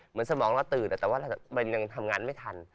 สมองเราตื่นแต่ว่ามันยังทำงานไม่ทัน